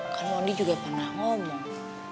kan mondi juga pernah ngomong